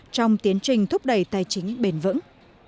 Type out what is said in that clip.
trong tiến trình thúc đẩy tài chính bền vững